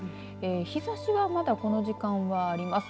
日ざしは、まだこの時間はあります。